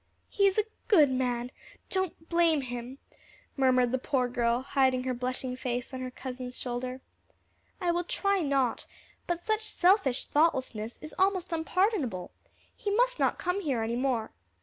"He is a good man, don't blame him," murmured the poor girl, hiding her blushing face on her cousin's shoulder. "I will try not; but such selfish thoughtlessness is almost unpardonable. He must not come here any more."